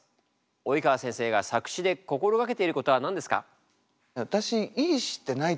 及川先生が作詞で心掛けていることは何ですか？